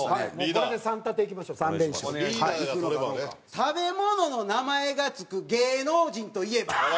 「食べ物の名前が付く芸能人といえば？」